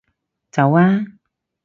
走啊